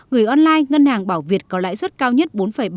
gửi online ngân hàng bảo việt có lãi suất cao nhất bốn bảy mươi năm